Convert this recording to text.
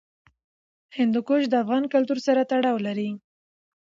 هندوکش د افغان کلتور سره تړاو لري.